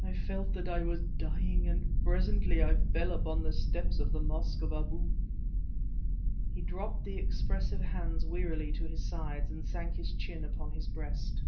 I felt that I was dying, and presently I fell upon the steps of the Mosque of Abu." He dropped the expressive hands wearily to his sides and sank his chin upon his breast.